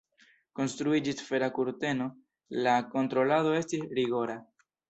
Konstruiĝis Fera kurteno, la kontrolado estis rigora.